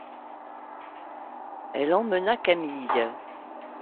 Elle emmena Camille.